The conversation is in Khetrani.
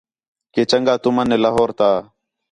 کہ چنڳا تُمن ہِے لاہور تا